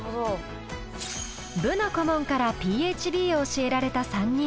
部の顧問からＰＨＢを教えられた３人。